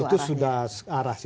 oh itu sudah arah